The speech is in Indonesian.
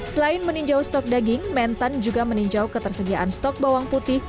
selain meninjau stok daging mentan juga meninjau ketersediaan stok bawang putih